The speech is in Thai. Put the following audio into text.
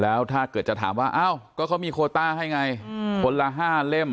แล้วถ้าเกิดจะถามว่าอ้าวก็เขามีโคต้าให้ไงคนละ๕เล่ม